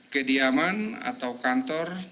kediaman atau kantor yang bersangka